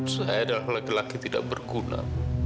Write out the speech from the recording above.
saya adalah laki laki tidak berguna